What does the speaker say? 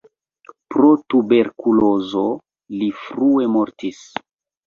Pro tuberkulozo li frue mortis.